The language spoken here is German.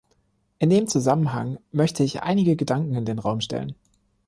In dem Zusammenhang möchte ich einige Gedanken in den Raum stellen.